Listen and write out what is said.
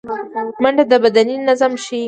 منډه د بدني نظم ښيي